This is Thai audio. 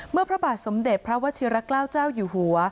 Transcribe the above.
เมื่อพระบาทสมเด็จพระวัชิกตาอกราวเจ้าหญิง